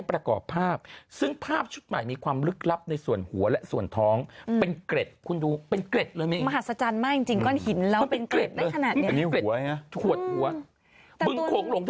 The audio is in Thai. รึกลับในส่วนหัวแหละส่วนท้องอืมเป็นใกล้คุณดูเป็นเกร็ดมาหัศจรรย์มากจริง